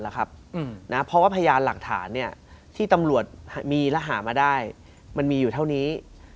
เพราะว่าพยานหลักฐานที่ตำรวจมีและหามาได้มันมีอยู่เท่านี้